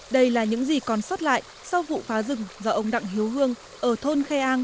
đây là những gì còn sót lại sau vụ phá rừng do ông đặng hiếu hương ở thôn khe an